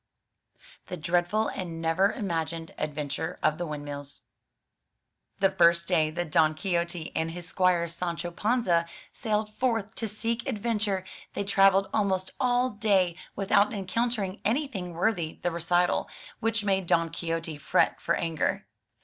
THE DREADFUL AND NEVER IM AGINED ADVEN TURE OF THE WINDMILLS THE first day that Don Quixote and his squire, Sancho Panza, sallied forth to seek adventure, they travelled almost all (lay without encountering anything worthy the recital, which made Don Quixote fret for anger.